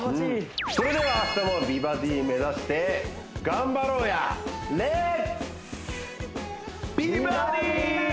それでは明日も美バディ目指して頑張ろうやレッツ！